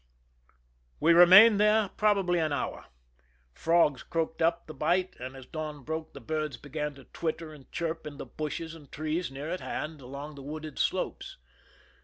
We remained there probably an hour. Frogs croaked up the bight, and as dawn broke, the birds began to twitter and chirp in the bushes and trees near at hand along the wooded slopes.